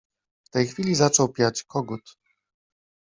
W tej chwili zaczął piać kogut.